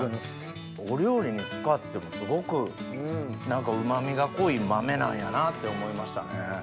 お料理に使ってもすごくうま味が濃い豆なんやなって思いましたね。